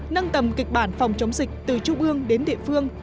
nâng tầm kịch bản phòng chống dịch từ trung ương đến địa phương